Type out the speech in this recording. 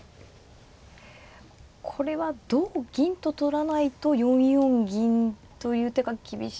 これは同銀と取らないと４四銀という手が厳しいですか。